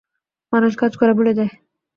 মানুষ কাজ করে ভুলে যায়।